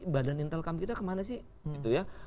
badan intel kamu kita kemana sih